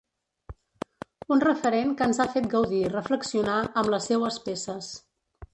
Un referent que ens ha fet gaudir i reflexionar amb la seues peces.